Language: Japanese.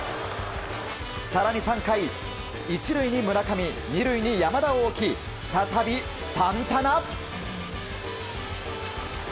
更に３回、１塁に村上２塁に山田を置き再びサンタナ。